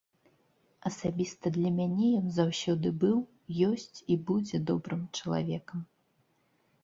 Асабіста для мяне ён заўсёды быў, ёсць і будзе добрым чалавекам.